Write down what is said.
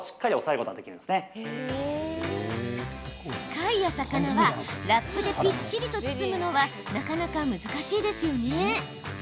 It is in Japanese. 貝や魚はラップでぴっちりと包むのはなかなか難しいですよね。